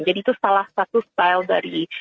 jadi itu salah satu style dari